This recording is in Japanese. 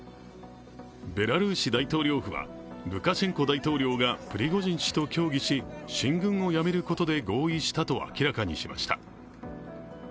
ベラルーシ大統領府はルカシェンコ大統領がプリゴジン氏と協議し、進軍をやめることで合意したと明らかにしました。